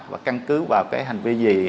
và căn cứ vào cái hành vi gì